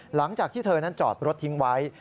หลังจากที่เธอนั้นจอดรถทิ้งไว้